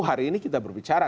hari ini kita berbicara